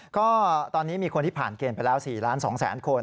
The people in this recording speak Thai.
ก็ตอนนี้มีคนที่ผ่านเกณฑ์ไปแล้ว๔ล้าน๒แสนคน